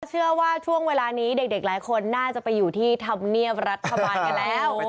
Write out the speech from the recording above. เชื่อว่าช่วงเวลานี้เด็กหลายคนน่าจะไปอยู่ที่ธรรมเนียบรัฐบาลกันแล้ว